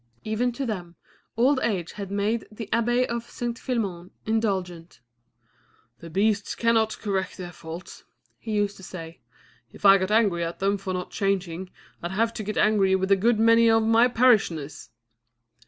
Even to them, old age had made the abbé of St. Philémon indulgent. "The beasts cannot correct their faults," he used to say; "if I got angry at them for not changing I'd have to get angry with a good many of my parishioners!"